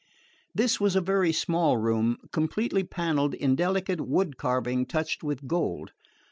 This was a very small room, completely panelled in delicate wood carving touched with gold.